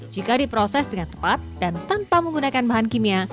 jika diproses dengan tepat dan tanpa menggunakan bahan kimia